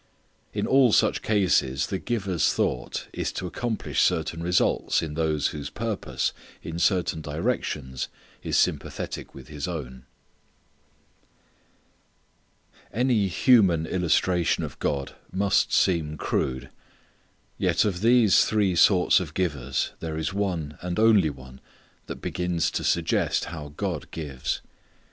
In all such cases the giver's thought is to accomplish certain results in those whose purpose in certain directions is sympathetic with his own. Any human illustration of God must seem crude. Yet of these three sorts of givers there is one and only one that begins to suggest how God gives.